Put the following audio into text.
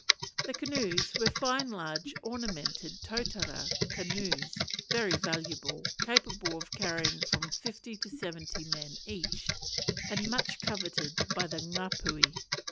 The canoes were fine large ornamented totara canoes, very valuable, capable of carrying from fifty to seventy men each, and much coveted by the Ngapuhi.